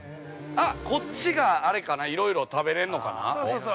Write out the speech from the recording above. こっちがあれかないろいろ食べれんのかな。